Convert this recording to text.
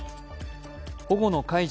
保護の解除